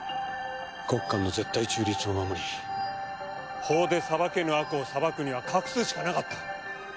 ゴッカンの絶対中立を守り法で裁けぬ悪を裁くには隠すしかなかった。